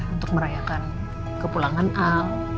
untuk merayakan kepulangan al